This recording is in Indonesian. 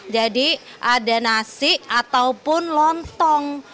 jadi ada nasi ataupun lontong